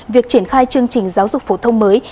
việc triển khai chương trình giáo dục phổ thông mới